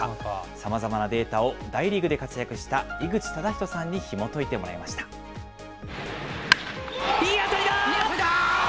さまざまなデータを大リーグで活躍した井口資仁さんにひもといていい当たりだ。